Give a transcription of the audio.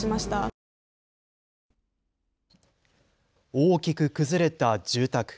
大きく崩れた住宅。